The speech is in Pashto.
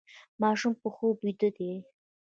ماشوم په خوب ویده دی.